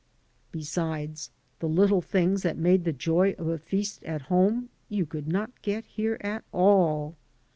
Besides, the little things that made the joy of a feast at home you could not get here at all.